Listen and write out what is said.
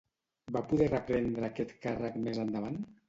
Va poder reprendre aquest càrrec més endavant?